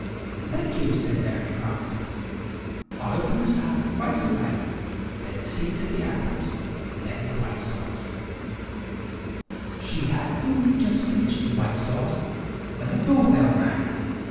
"Thank you," said Mary Frances, "I'll open the salmon right away then see to the apples then the White Sauce." [Illustration: The apples] She had only just finished the White Sauce, when the door bell rang.